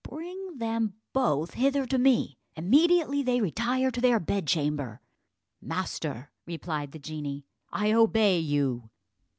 Bring them both hither to me immediately they retire to their bedchamber." "Master," replied the genie, "I obey you."